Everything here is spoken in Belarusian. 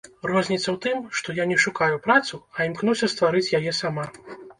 Розніца ў тым, што я не шукаю працу, а імкнуся стварыць яе сама.